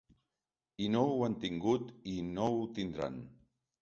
I no ho han tingut i no ho tindran.